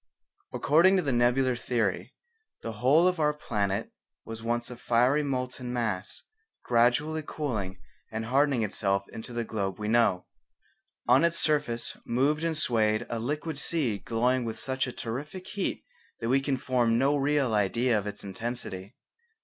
According to the Nebular Theory the whole of our planet was once a fiery molten mass gradually cooling and hardening itself into the globe we know. On its surface moved and swayed a liquid sea glowing with such a terrific heat that we can form no real idea of its intensity.